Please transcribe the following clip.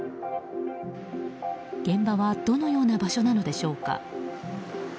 現場はどのような場所なのでしょうか。